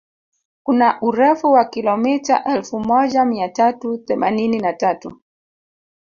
Kuna urefu wa kilomita elfu moja mia tatu themanini na tatu